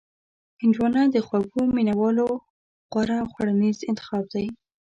هندوانه د خوږو مینوالو غوره خوړنیز انتخاب دی.